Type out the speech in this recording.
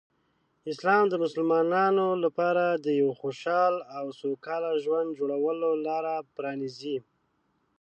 اسلام د مسلمانانو لپاره د یو خوشحال او سوکاله ژوند جوړولو لاره پرانیزي.